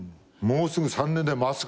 もうすぐ３年だよ